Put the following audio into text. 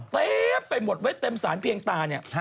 เต็มไปหมดไว้เต็มสารเพียงตาเนี่ย